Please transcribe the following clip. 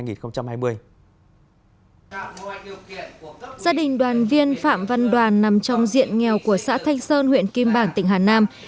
gia đình đoàn viên phạm văn đoàn nằm trong diện nghèo của xã thanh sơn huyện kim bảng tỉnh hà nam